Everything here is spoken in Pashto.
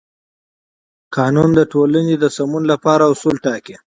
قانون د ټولنې د سمون لپاره اصول ټاکي.